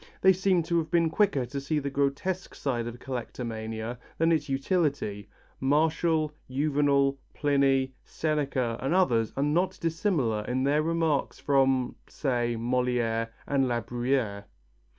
They seem to have been quicker to see the grotesque side of collectomania than its utility. Martial, Juvenal, Pliny, Seneca and others are not dissimilar in their remarks from say, Molière and La Bruyère.